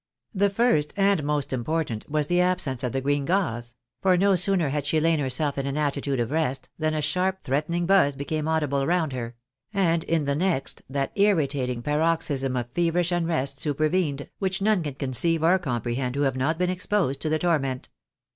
The first and most important was the absence of the green gauze — for no sooner had she lain herself in an attitude of rest, than a sharp threatening buzz became audible around her; and in the next, that irritating paroxysm of feverish unrest supervened, which none can conceive or comprehend who have not been exposed to the torment.